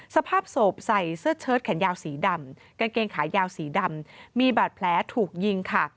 สภาพศพใส่เสื้อเชิดแขนยาวสีดำกางเกงขายาวสีดำมีบาดแผลถูกยิงค่ะ